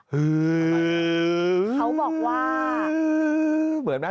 เฮ้อเขาบอกว่า